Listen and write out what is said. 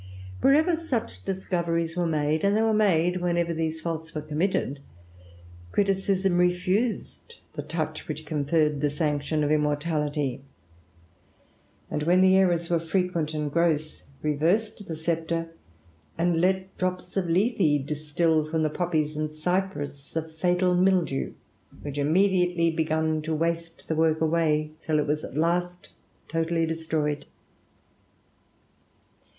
Wherever such discoveries were made, and they were made whenever these faults were committed, Criticism refused the touch which conferred the sanction of immor tality, and, when the errours were frequent and gross, reversed the sceptre, and let drops of lethe distil from the poppies and cypress a fatal mildew, which immediately begun to waste the work away, till it was at last totally destroyed.